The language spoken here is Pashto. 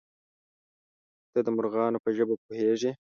_ته د مرغانو په ژبه پوهېږې؟